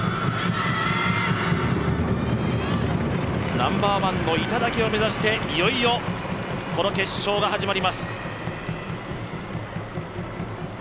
ナンバーワンの頂を目指していよいよこの決勝が始まります。